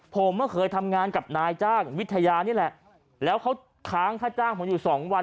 ผมก็เคยทำงานกับนายจ้างวิทยานี่แหละแล้วเขาค้างค่าจ้างผมอยู่สองวัน